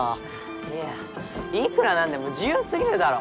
いやいくら何でも自由過ぎるだろ。